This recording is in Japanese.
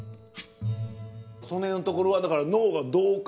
その辺のところはだから脳がどうか。